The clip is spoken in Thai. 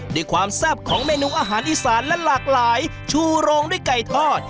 ด้วยความแซ่บของเมนูอาหารอีสานและหลากหลายชูโรงด้วยไก่ทอด